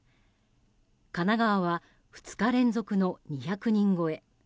神奈川は２日連続の２００人超え。